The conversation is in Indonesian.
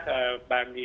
dan bantulah pemerintah